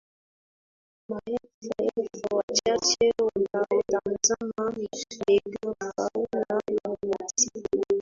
maelfu elfu wachache wanaotazama megafauna ya misitu